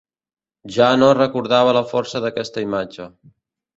Ja no recordava la força d'aquesta imatge.